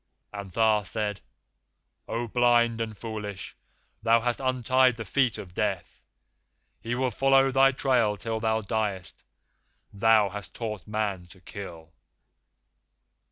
And Tha said: 'O blind and foolish! Thou hast untied the feet of Death, and he will follow thy trail till thou diest. Thou hast taught Man to kill!